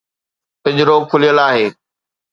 پنجرو کليل آهي.